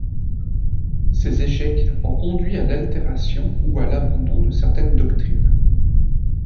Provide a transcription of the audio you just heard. Ces échecs ont conduit à l'altération ou à l'abandon de certaines doctrines.